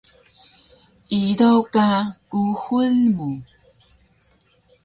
Idaw ka kuxul mu